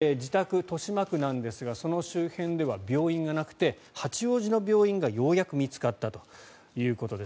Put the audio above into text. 見つかったんですけれども自宅、豊島区なんですがその周辺では病院がなくて八王子の病院がようやく見つかったということです。